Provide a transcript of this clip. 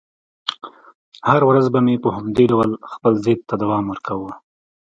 هره ورځ به مې په همدې ډول خپل ضد ته دوام ورکاوه.